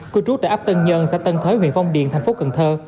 cư trú tại ấp tân nhân xã tân thới huyện phong điền thành phố cần thơ